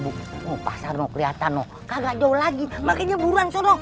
bu pasarnya keliatan kagak jauh lagi makanya buruan so ya